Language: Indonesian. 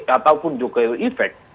ataupun jokowi effect